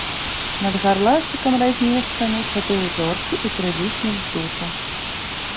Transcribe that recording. Над гарлачыкам размешчаны чатыры зоркі і трыліснік джуту.